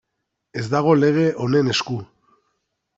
Ez dago lege honen esku.